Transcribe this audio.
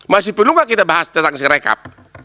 masih perlu nggak kita bahas tentang sirekap